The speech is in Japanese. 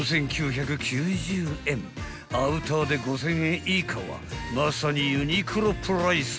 ［アウターで５，０００円以下はまさにユニクロプライス］